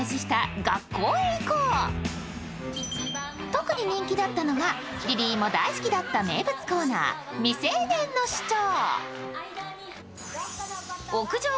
特に人気だったのがリリーも大好きだった名物コーナー、「未成年の主張」。